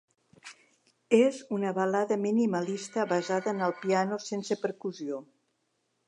És una balada minimalista basada en el piano sense percussió.